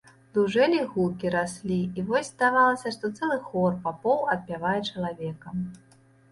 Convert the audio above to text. Дужэлі гукі, раслі, і вось здавалася, што цэлы хор папоў адпявае чалавека.